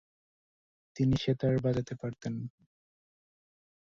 তিনি সেতার বাজাতে পারতেন।